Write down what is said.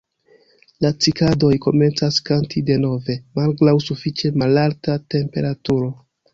La Cikadoj komencas kanti denove malgraŭ sufiĉe malalta temperaturo.